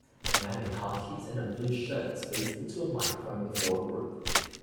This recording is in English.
A man in khakis and a blue shirt speaks into a microphone before a group